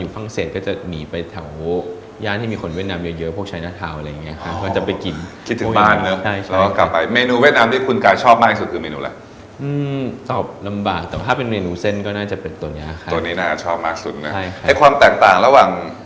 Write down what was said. ไปเรียนที่ต่างประเทศใช่ไหมครับ